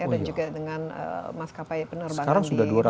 dan juga dengan maskapai penerbangan di dunia